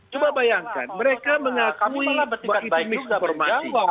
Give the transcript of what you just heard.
coba bayangkan mereka mengakui bahwa itu misinformasi